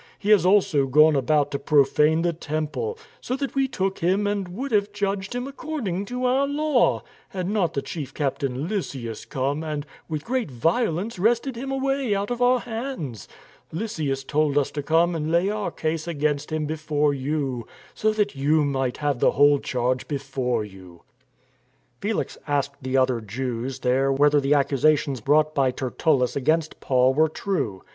He has also gone about to profane the Temple, so that we took him and would have * That is, the world of the Mediterranean. 306 STORM AND STRESS judged him according to our law, had not the chief captain, Lysias, come and, with great violence, wrested him away out of our hands. Lysias told us to come and lay our case against him before you, so that you might have the whole charge before you." Felix asked the other Jews there whether the ac cusations brought by Tertullus against Paul were true.